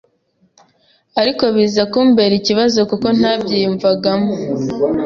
ariko biza kumbera ikibazo kuko ntabyiyumvagamo